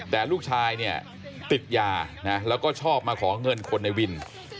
แต่ลูกชายเนี่ยติดยานะแล้วก็ชอบมาขอเงินคนในวิน